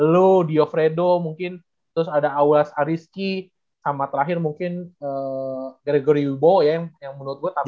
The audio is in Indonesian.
lo diofredo mungkin terus ada awas ariski sama terakhir mungkin gregory wibo ya yang menurut gue tambah